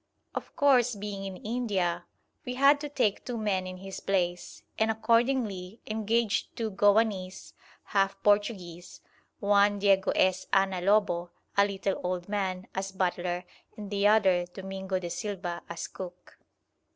Of course, being in India, we had to take two men in his place, and accordingly engaged two Goanese, half Portuguese: one Diego S. Anna Lobo, a little old man, as butler, and the other, Domingo de Silva, as cook.